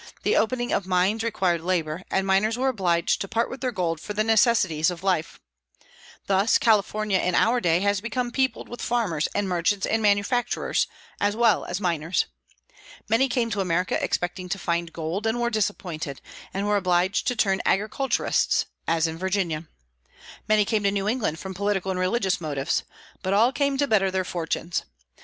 The opening of mines required labor, and miners were obliged to part with their gold for the necessaries of life. Thus California in our day has become peopled with farmers and merchants and manufacturers, as well as miners. Many came to America expecting to find gold, and were disappointed, and were obliged to turn agriculturists, as in Virginia. Many came to New England from political and religious motives. But all came to better their fortunes.